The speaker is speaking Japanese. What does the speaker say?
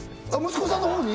息子さんの方に？